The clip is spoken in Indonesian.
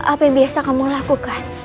apa yang biasa kamu lakukan